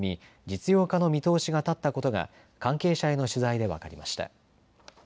実用化の見通しが立ったことが関係者への取材で分かりました。